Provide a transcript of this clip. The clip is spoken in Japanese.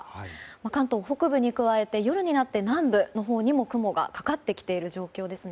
関東北部に加えて夜になって南部のほうにも雲がかかってきている状況です。